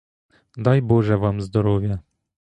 Дай, боже, вам здоров'я!